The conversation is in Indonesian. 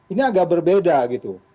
ini agak berbeda gitu